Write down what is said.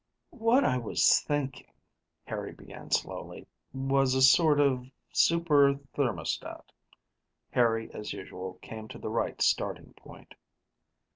"What I was thinking," Harry began slowly, "was a sort of superthermostat." Harry, as usual, came to the right starting point.